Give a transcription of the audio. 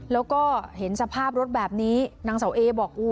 แล้วก็เห็นสภาพรถแบบนี้นางเสาเอบอก